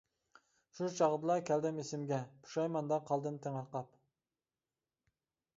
شۇ چاغدىلا كەلدىم ئېسىمگە، پۇشايماندا قالدىم تېڭىرقاپ.